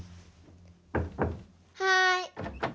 はい。